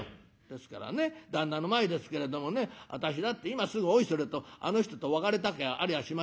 「ですからね旦那の前ですけれどもね私だって今すぐおいそれとあの人と別れたきゃありゃしませんよ。